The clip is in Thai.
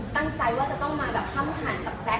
ตั้งใจว่าจะต้องมาแบบพ่ำห่างกับแซค